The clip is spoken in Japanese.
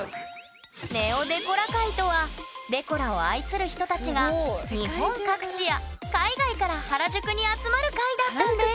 ＮＥＯデコラ会とはデコラを愛する人たちが日本各地や海外から原宿に集まる会だったんです